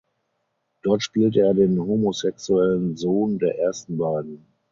Dort spielte er den homosexuellen Sohn der ersten beiden.